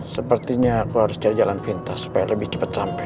sepertinya aku harus cari jalan pintas supaya lebih cepat sampai